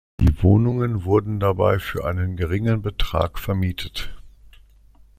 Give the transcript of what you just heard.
Die Wohnungen wurden dabei für einen geringen Betrag vermietet.